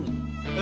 え